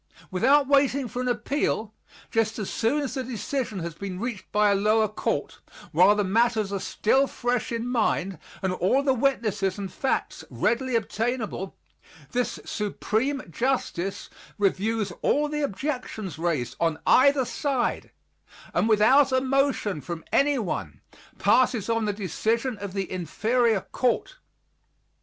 Without waiting for an appeal, just as soon as a decision has been reached by a lower Court, while the matters are still fresh in mind and all the witnesses and facts readily obtainable, this Supreme Justice reviews all the objections raised on either side and without a motion from anyone passes on the decision of the inferior court.